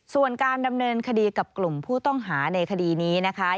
ส่วนการดำเนินคดีกับกลุ่มผู้ต้องหาในคดีนี้นะคะ